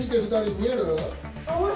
見える？